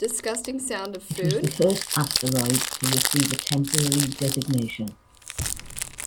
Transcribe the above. It was the first asteroid to receive a temporary designation.